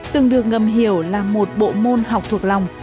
từng được ngầm hiểu là một bộ môn học thuộc lòng